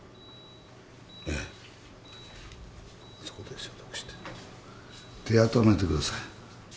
ええそこで消毒して手を温めてください